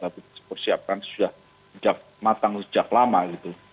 tapi dipersiapkan sudah matang sejak lama gitu